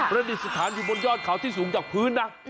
ดิษฐานอยู่บนยอดเขาที่สูงจากพื้นนะ